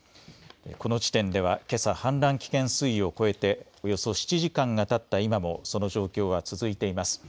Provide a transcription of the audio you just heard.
この地点ではけさ氾濫危険水位を超えておよそ７時間がたった今もその状況は続いています。